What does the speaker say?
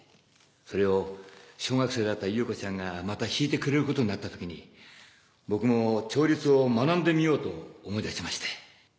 それを小学生だった優子ちゃんがまた弾いてくれることになった時に僕も調律を学んでみようと思い立ちまして。